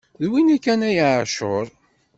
D winna kan a ɛacur!